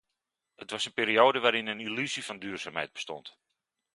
Het was een periode waarin een illusie van duurzaamheid bestond.